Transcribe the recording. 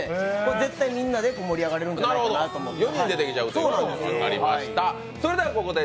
絶対みんなで盛り上がれるのではないかなと思います。